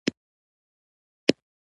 رسېدلی شاعر غلا کوي پوه شوې!.